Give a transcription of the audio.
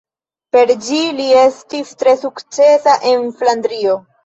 Per ĝi li estis tre sukcesa en Flandrio.